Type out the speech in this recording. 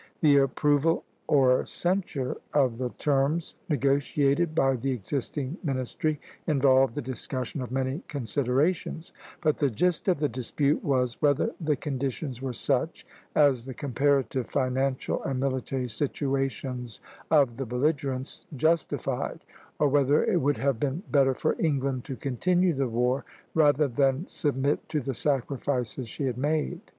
The approval or censure of the terms negotiated by the existing ministry involved the discussion of many considerations; but the gist of the dispute was, whether the conditions were such as the comparative financial and military situations of the belligerents justified, or whether it would have been better for England to continue the war rather than submit to the sacrifices she had made.